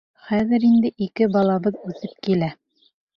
Хәҙер инде ике балабыҙ үҫеп килә.